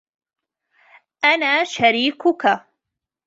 أنا شريكك.